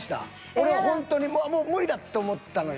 俺はほんとにもう無理だって思ったのよ。